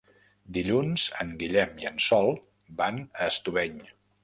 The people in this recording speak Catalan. Dilluns en Guillem i en Sol van a Estubeny.